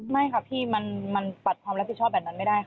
ไม่ค่ะพี่มันปัดความรับผิดชอบแบบนั้นไม่ได้ค่ะ